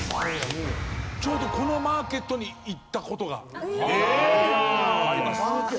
ちょうどこのマーケットに行った事があります。